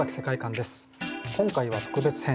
今回は特別編。